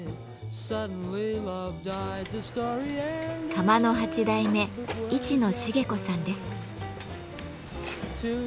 窯の８代目市野茂子さんです。